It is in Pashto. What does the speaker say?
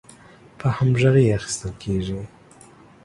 په همغږۍ اخیستل کیږي